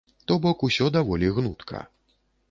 То бок, усё даволі гнутка.